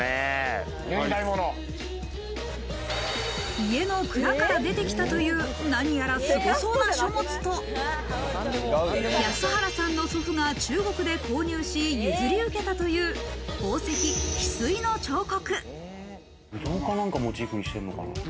家の蔵から出てきたという、何やらすごそうな書物と、安原さんの祖父が中国で購入し、譲り受けたという宝石、ヒスイの彫刻。